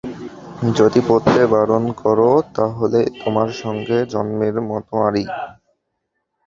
যদি পড়তে বারণ কর তা হলে তোমার সঙ্গে জন্মের মত আড়ি।